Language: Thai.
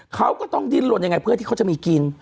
เขาก็ต้องดิ้นลนยังไงเพื่อที่เขาจะมีกิน